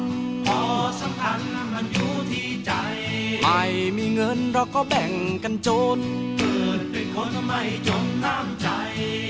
พอสำคัญมันอยู่ที่ใจไม่มีเงินเราก็แบ่งกันโจทย์เกิดเป็นคนไม่จมน้ำใจ